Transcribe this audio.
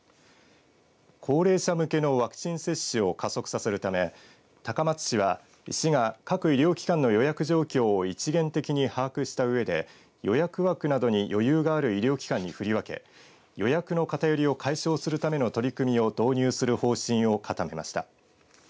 高齢者向けのワクチン接種を加速させるため高松市は、市が各医療機関の予約状況を一元的に把握したうえで予約枠などに余裕がある医療機関に振り分け予約の偏りを解消するための取り組みを導入する方針を固めました。